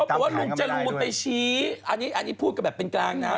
บอกว่าลุงจรูนไปชี้อันนี้พูดกันแบบเป็นกลางนะ